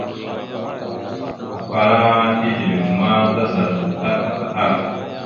Afalaŋa tisleváma, tazalakal tal aka ɗaf.